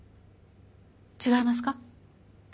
違いますか？